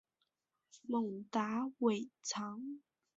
蒙达韦藏。